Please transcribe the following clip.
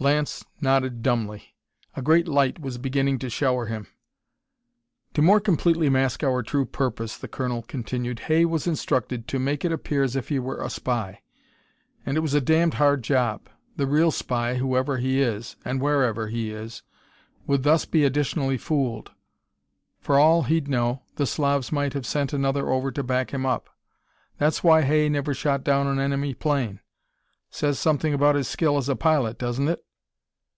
Lance nodded dumbly. A great light was beginning to shower him. "To more completely mask our true purpose," the colonel continued, "Hay was instructed to make it appear as if he were a spy. And it was a damned hard job! The real spy, whoever he is, and wherever he is, would thus be additionally fooled; for all he'd know, the Slavs might have sent another over to back him up. That's why Hay never shot down an enemy plane. Says something about his skill as a pilot, doesn't it?